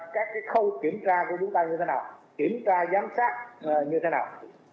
các khâu kiểm tra của chúng ta như thế nào kiểm tra giám sát như thế nào